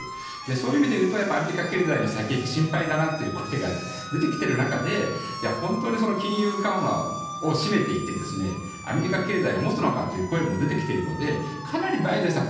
そういう意味でいうとアメリカ経済の先行きが心配だなという声が出てきている中で本当に金融緩和をしめていってアメリカ経済が持つのかという声も出てきているのでかなりバイデンさん